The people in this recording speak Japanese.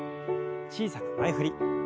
小さく前振り。